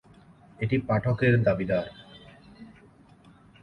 এটি পাঠকের দাবিদার।